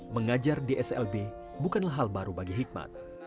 mengajar di slb bukanlah hal baru bagi hikmat